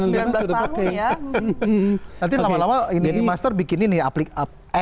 nanti lama lama ini master bikin ini aplikasi